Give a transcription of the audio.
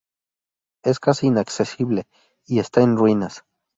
Es casi inaccesible y está en ruinas.